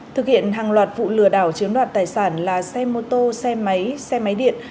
thực hiện hàng loạt vụ lừa đảo chiếm đoạt tài sản là xe mô tô xe máy xe máy điện